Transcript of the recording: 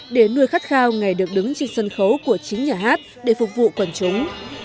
để nuôi khát khao ngày được đứng trên sân khấu của chính nhà hát để phục vụ quần chúng